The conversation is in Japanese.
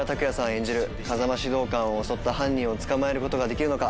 演じる風間指導官を襲った犯人を捕まえることができるのか。